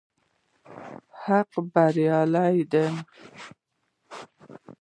حق بريالی دی